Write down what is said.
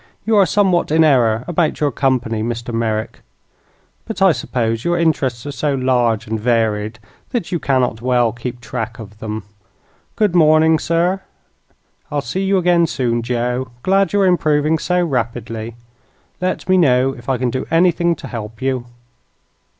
"You are somewhat in error about your company, Mr. Merrick; but I suppose your interests are so large and varied that you cannot well keep track of them. Good morning, sir. I'll see you again soon, Joe. Glad you're improving so rapidly. Let me know if I can do anything to help you."